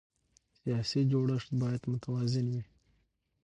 سیاسي جوړښت باید متوازن وي